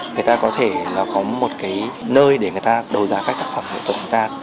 người ta có thể có một cái nơi để người ta đấu giá các tác phẩm nghệ thuật của người ta